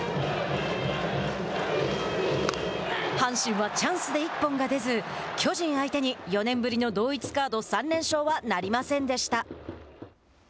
阪神はチャンスで一本が出ず巨人相手に４年ぶりの同一カード３連勝はなりませんでした。